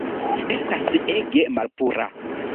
Estas ege malpura